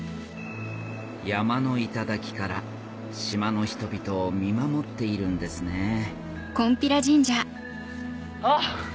山の頂から島の人々を見守っているんですねあっ！